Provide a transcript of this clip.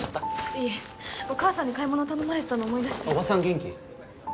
いえお母さんに買い物頼まれてたの思い出しておばさん元気？